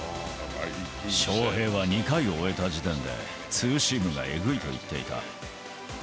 翔平は２回を終えた時点で、ツーシームがえぐいと言っていた。